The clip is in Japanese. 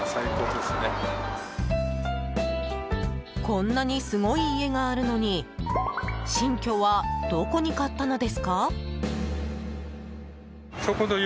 こんなにすごい家があるのに新居は、どこに買ったのですか？